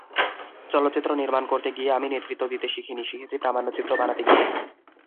চলচ্চিত্র নির্মাণ করতে গিয়ে আমি নেতৃত্ব দিতে শিখিনি, শিখেছি প্রামাণ্যচিত্র বানাতে গিয়ে।